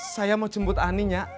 saya mau jemput aninya